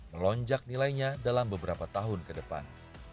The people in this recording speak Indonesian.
melonjak nilainya dalam beberapa tahun ke depan